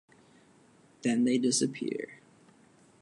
Then they disappear.